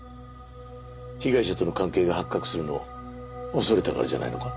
被害者との関係が発覚するのを恐れたからじゃないのか？